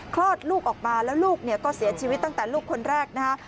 คลอดลูกออกมาแล้วลูกเนี่ยก็เสียชีวิตตั้งแต่ลูกคนแรกนะฮะ